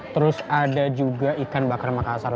terus ada juga ikan bakar makasar